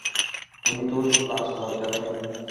তুমি তো লাজ-লজ্জ্বাহীন।